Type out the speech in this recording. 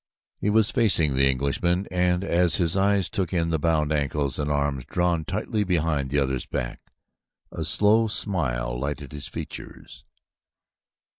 He was facing the Englishman, and as his eyes took in the bound ankles and the arms drawn tightly behind the other's back, a slow smile lighted his features.